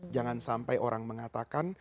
jangan sampai orang mengatakan